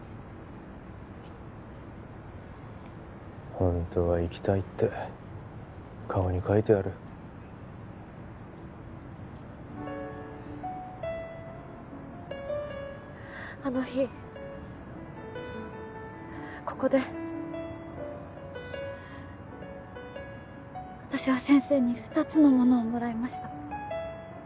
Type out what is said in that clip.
ホントは行きたいって顔に書いてあるあの日ここで私は先生に二つのものをもらいました